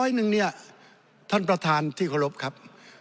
๑๑๐๐หนึ่งนี่ท่านประธานที่ผลพยพครับ